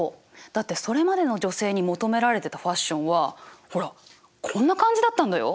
だってそれまでの女性に求められてたファッションはほらこんな感じだったんだよ。